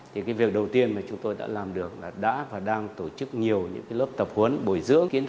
thì cái việc đầu tiên mà chúng tôi đã làm được là đã và đang tổ chức nhiều những cái lớp tập huấn bồi dưỡng